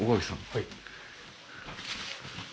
はい。